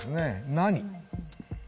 「何」